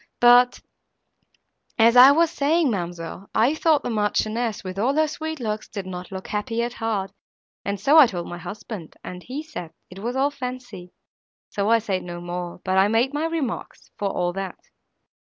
—But, as I was saying, ma'amselle, I thought the Marchioness, with all her sweet looks, did not look happy at heart, and so I told my husband, and he said it was all fancy; so I said no more, but I made my remarks, for all that.